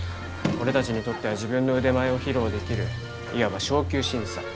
俺たちにとっては自分の腕前を披露できるいわば昇級審査。